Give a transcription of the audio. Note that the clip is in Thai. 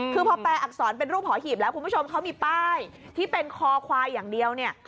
คือพอแปลอักษรเป็นรูปหอหีบแล้วคุณผู้ชมเขามีป้ายที่เป็นคอควายอย่างเดียวเนี่ย